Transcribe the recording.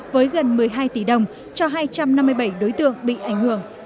với gần một mươi hai tỷ đồng cho hai trăm năm mươi bảy đối tượng bị ảnh hưởng